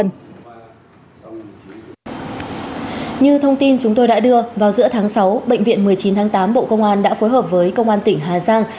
như thông tin chúng tôi đã đưa vào giữa tháng sáu bệnh viện một mươi chín tháng tám bộ công an đã phối hợp với công an tỉnh hà giang